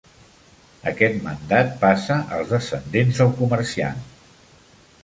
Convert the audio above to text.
Aquest mandat passa als descendents del comerciant.